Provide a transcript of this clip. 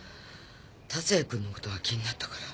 達也君のことが気になったから。